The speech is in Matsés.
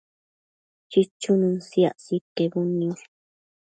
chichunën siac sidquebudniosh